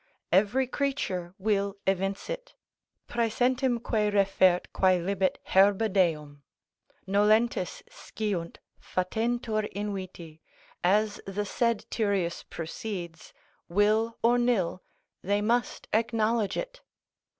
Every creature will evince it; Praesentemque refert quaelibet herba deum. Nolentes sciunt, fatentur inviti, as the said Tyrius proceeds, will or nill, they must acknowledge it.